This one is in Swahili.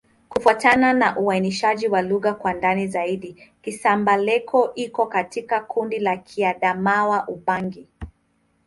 Kufuatana na uainishaji wa lugha kwa ndani zaidi, Kisamba-Leko iko katika kundi la Kiadamawa-Ubangi.